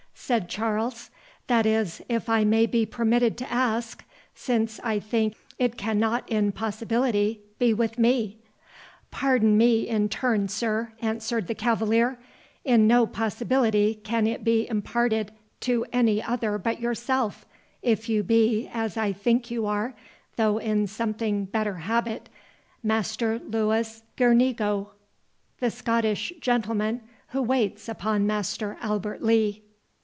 said Charles; "that is, if I may be permitted to ask—since I think it cannot in possibility be with me." "Pardon me in turn, sir," answered the cavalier; "in no possibility can it be imparted to any other but yourself, if you be, as I think you are, though in something better habit, Master Louis Girnigo, the Scottish gentleman who waits upon Master Albert Lee."